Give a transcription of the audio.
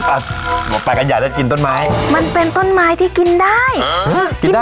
อ่ะบอกไปกันอยากได้กินต้นไม้มันเป็นต้นไม้ที่กินได้อ่า